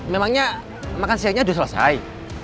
memangnya makan siangnya sudah selesai